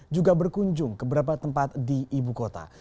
juga berkunjung ke beberapa tempat di ibu kota